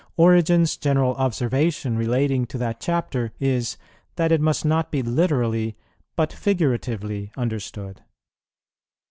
"[25:1] "Origen's general observation relating to that chapter is, that it must not be literally, but figuratively understood."